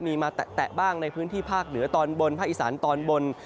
มีมาแตะบ้างในพื้นที่ภาคเหนือตอนบนภาคอีสานตอนบน